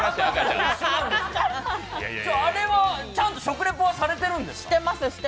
あれは、ちゃんと食リポはされてるんですか？